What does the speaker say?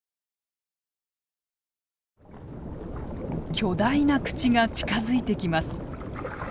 巨大な口が近づいてきます。